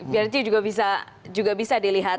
berarti juga bisa dilihat